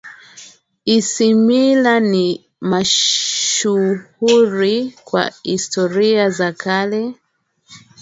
isimila ni mashuhuri kwa historia za kale